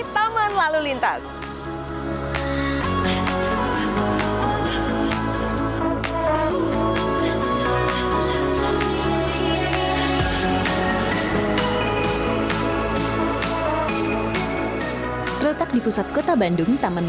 taman wisata ikonek